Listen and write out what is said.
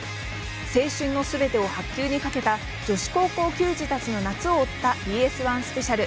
青春のすべてを白球に懸けた女子高校球児たちの夏を追ったＢＳ１スペシャル。